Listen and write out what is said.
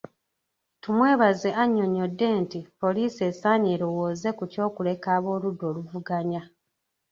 Tumwebaze annyonnyodde nti poliisi esaanye erowooze ku ky'okuleka ab'oludda oluvuganya.